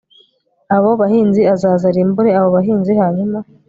abo bahinzi azaza arimbure abo bahinzi hanyuma